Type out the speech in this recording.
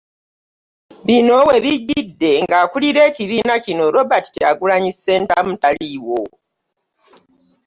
Bino we bijjidde ng'akulira ekibiina kino Robert Kyagulanyi Ssentamu taliiwo.